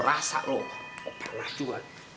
masa lo penah juga